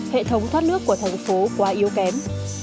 hệ thống thoát nước của thành phố quá yếu kém